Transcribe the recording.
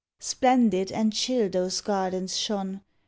Splendid and chill those gardens shone.